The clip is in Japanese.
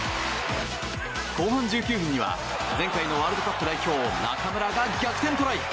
後半１９分には前回のワールドカップ代表中村が逆転トライ！